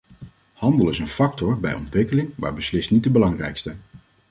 Handel is een factor bij ontwikkeling, maar beslist niet de belangrijkste.